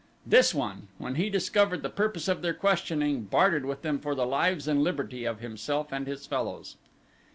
This one, when he discovered the purpose of their questioning, bartered with them for the lives and liberty of himself and his fellows.